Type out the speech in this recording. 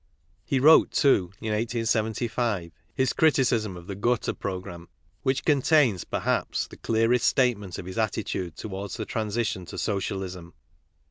He wrote, too, in 1875, his Criticism of the Gotha Frogramme, which contains, perhaps, the clearest statement of his attitude towards the transition to Socialism.